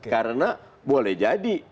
karena boleh jadi